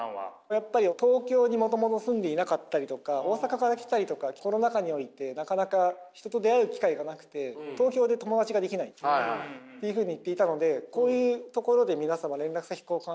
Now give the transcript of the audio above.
やっぱり東京にもともと住んでいなかったりとか大阪から来たりとかコロナ禍においてなかなか人と出会える機会がなくて東京で友達ができないっていうふうに言っていたのでこういうところで皆様連絡先交換したりとか。